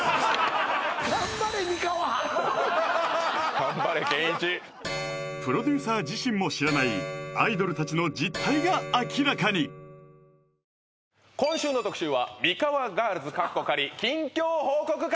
頑張れ憲一プロデューサー自身も知らないアイドルたちの実態が明らかに今週の特集はミカワガールズ近況報告会！